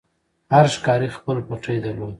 هر ښکاري خپل پټی درلود.